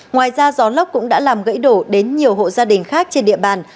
ngoài ra gió lốc cũng đã làm gãy đổ đến nhiều hộ gia đình khác trên địa bàn